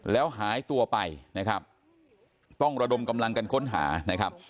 แล้วหายตัวไปนะครับต้องระดมกำลังกันค้นหานะครับ